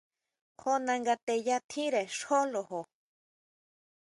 Jó nanga teyà tjínre xjó lojo.